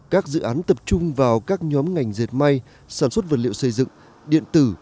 các dự án tập trung vào các nhóm ngành diệt may sản xuất vật liệu xây dựng điện tử